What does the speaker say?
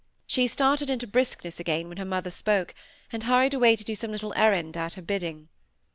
She started into briskness again when her mother spoke, and hurried away to do some little errand at her bidding.